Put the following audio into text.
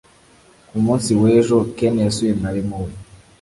ku munsi w'ejo, ken yasuye mwarimu we